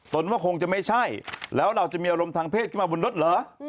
สนว่าคงจะไม่ใช่แล้วเราจะมีอารมณ์ทางเพศขึ้นมาบนรถเหรอ